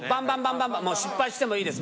バンバン失敗してもいいです。